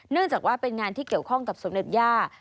เนื่องจากว่าเป็นงานที่เกี่ยวข้องกับสมเด็จย่า